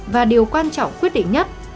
và điều quan trọng quyết định nhất